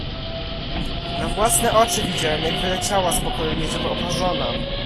"Na własne oczy widziałem jak wyleciała z pokoju niczem oparzona."